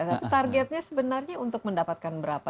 tapi targetnya sebenarnya untuk mendapatkan berapa